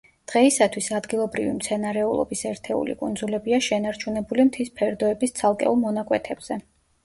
დღეისათვის ადგილობრივი მცენარეულობის ერთეული კუნძულებია შენარჩუნებული მთის ფერდოების ცალკეულ მონაკვეთებზე.